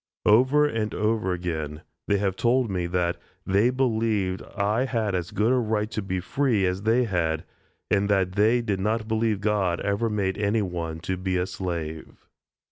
Over and over again, they have told me that "they believed I had as good a right to be free as they had," and that "they did not believe God ever made any one to be a slave."